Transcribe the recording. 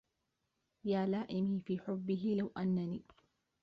يا لائمي في حبه لو أنني